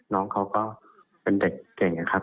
น้องเขาก็เป็นเด็กเก่งนะครับ